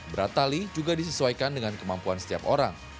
berat tali juga disesuaikan dengan kemampuan setiap orang